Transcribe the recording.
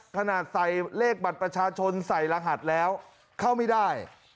ขนาดใส่เลขบัตรประชาชนใส่รหัสแล้วเข้าไม่ได้